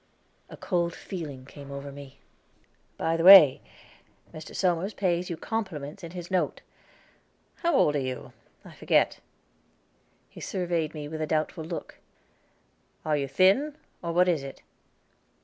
A cold feeling came over me. "By the way, Mr. Somers pays you compliments in his note. How old are you? I forget." He surveyed me with a doubtful look. Are you thin, or what is it?"